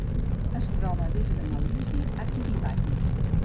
Es troba des de Maurici a Kiribati.